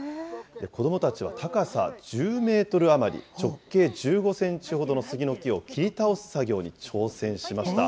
子どもたちは高さ１０メートル余り、直径１５センチほどの杉の木を切り倒す作業に挑戦しました。